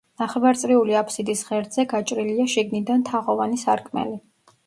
ნახევარწრიული აფსიდის ღერძზე გაჭრილია შიგნიდან თაღოვანი სარკმელი.